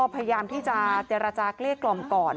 พยายามที่จะเจรจาเกลี้ยกล่อมก่อน